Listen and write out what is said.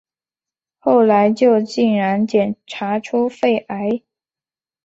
后来就竟然检查出肺癌